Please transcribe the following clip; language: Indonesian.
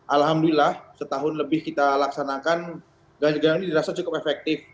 alhamdulillah setahun lebih kita laksanakan ganjil genap ini dirasa cukup efektif